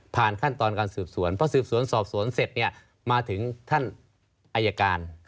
ขั้นตอนการสืบสวนเพราะสืบสวนสอบสวนเสร็จเนี่ยมาถึงท่านอายการ